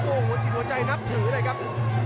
โอ้โหจิตหัวใจนับถือเลยครับ